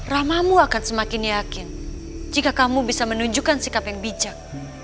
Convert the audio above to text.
ramahmu akan semakin yakin jika kamu bisa menunjukkan sikap yang bijak